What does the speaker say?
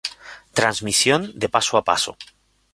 Transmisión de paso a paso.